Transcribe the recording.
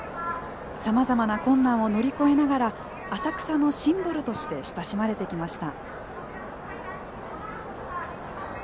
さまざまな困難を乗り越えながら浅草のシンボルとして親しまれてきました。